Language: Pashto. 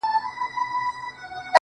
چي له ستوني دي آواز نه وي وتلی!